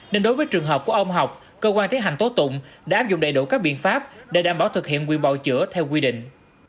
nên đối với trường hợp của ông học công an thế hành tố tụng đã áp dụng đầy đủ các biện pháp để đảm bảo thực hiện quyền bảo chữa theo quy định